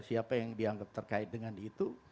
siapa yang dianggap terkait dengan itu